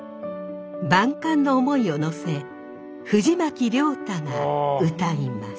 万感の思いをのせ藤巻亮太が歌います。